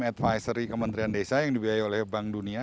advisory kementerian desa yang dibiayai oleh bank dunia